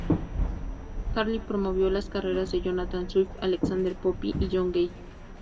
Harley promovió las carreras de Jonathan Swift, Alexander Pope, y John Gay.